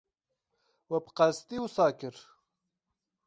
We bi qesdî wisa kir?